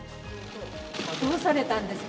どうされたんですか？